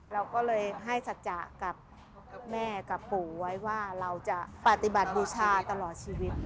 เราก็เลยให้สัจจะกับแม่กับปู่ไว้ว่าเราจะปฏิบัติบูชาตลอดชีวิต